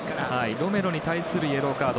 ロメロに対するイエローカード。